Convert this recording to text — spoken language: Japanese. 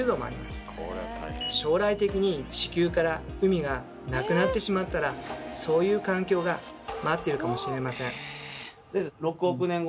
将来的に地球から海がなくなってしまったらそういう環境が待っているかもしれません。